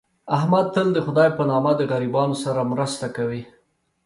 احمد تل دخدی په نامه د غریبانو سره مرسته کوي.